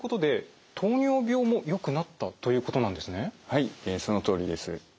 はいそのとおりです。